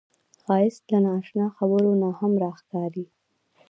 ښایست له نا اشنا خبرو نه هم راښکاري